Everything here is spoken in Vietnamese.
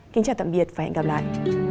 kính chào tạm biệt và hẹn gặp lại